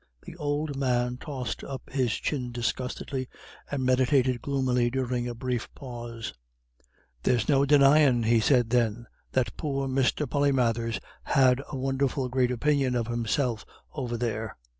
The old man tossed up his chin disgustedly, and meditated gloomily during a brief pause. "There's no denyin'," he said then, "that poor Mr. Polymathers had a won'erful great opinion of himself over there."